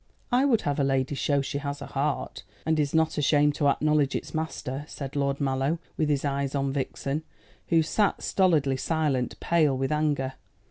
"I would have a lady show that she has a heart, and is not ashamed to acknowledge its master," said Lord Mallow, with his eyes on Vixen, who sat stolidly silent, pale with anger.